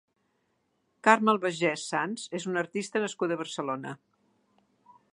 Carme Albaigés Sans és una artista nascuda a Barcelona.